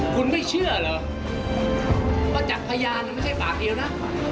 คุณไม่เชื่อเหรอว่าจากพยานไม่ใช่ปากเดียวนะ